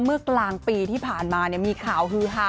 เมื่อกลางปีที่ผ่านมามีข่าวฮือฮา